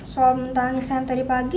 soal menangisnya yang tadi pagi